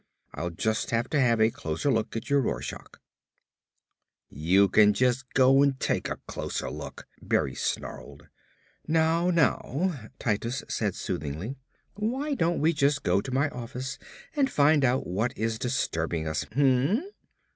"I'll just have to have a closer look at your Rorschach." "You can just go take a closer look," Berry snarled. "Now, now," Titus said soothingly, "why don't we just go to my office and find out what is disturbing us? Hm m m?"